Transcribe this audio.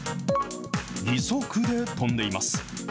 義足で跳んでいます。